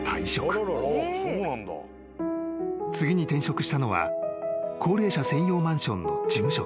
［次に転職したのは高齢者専用マンションの事務職］